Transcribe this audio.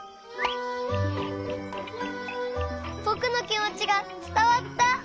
ぼくのきもちがつたわった！